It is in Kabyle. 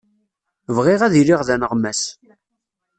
Bɣiɣ ad iliɣ d aneɣmas.